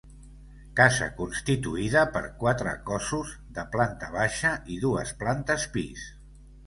Casa constituïda per quatre cossos, de planta baixa i dues plantes pis.